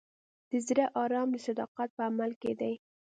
د زړه ارام د صداقت په عمل کې دی.